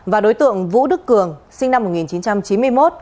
và đối tượng vũ đức cường sinh năm một nghìn chín trăm tám mươi tám